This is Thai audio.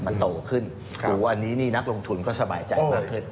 มันโตขึ้นหรืออันนี้นี่นักลงทุนก็สบายใจมากขึ้น